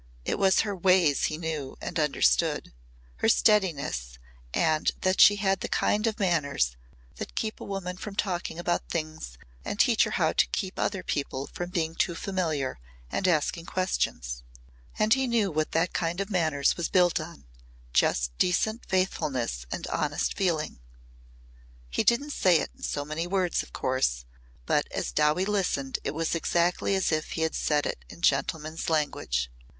It was her ways he knew and understood her steadiness and that she had the kind of manners that keep a woman from talking about things and teach her how to keep other people from being too familiar and asking questions. And he knew what that kind of manners was built on just decent faithfulness and honest feeling. He didn't say it in so many words, of course, but as Dowie listened it was exactly as if he said it in gentleman's language.